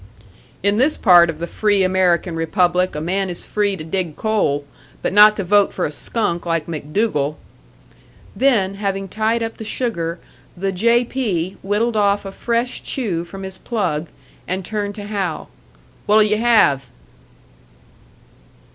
"In this part of the free American republic a man is free to dig coal, but not to vote for a skunk like MacDougall." Then, having tied up the sugar, the "J. P." whittled off a fresh chew from his plug, and turned to Hal. "What'll you have?"